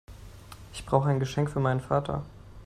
Ich brauche ein Geschenk für meinen Vater.